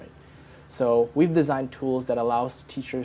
jadi kami telah menginap alat yang membolehkan guru